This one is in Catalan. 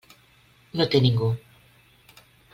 No té ningú.